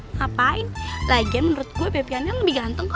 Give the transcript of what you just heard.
ngapain lagian menurut gue baby ian ian lebih ganteng kok